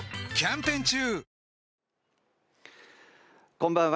こんばんは。